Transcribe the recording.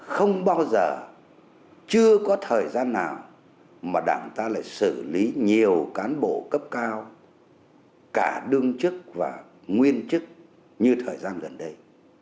không bao giờ chưa có thời gian nào mà đảng ta lại xử lý nhiều cán bộ cấp cao cả đương chức và nguyên chức như thời gian gần đây